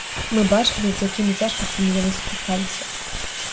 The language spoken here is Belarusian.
Мы бачылі, з якімі цяжкасцямі яны сутыкаліся.